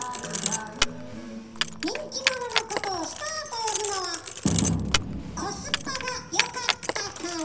人気者のことをスターと呼ぶのはコスパがよかったから。